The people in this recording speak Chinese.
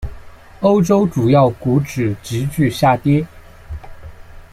欧洲主要股指急剧下跌。